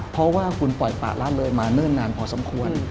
เพราะว่าคุณปล่อยป่าละเลยมาเนิ่นนานพอสมควร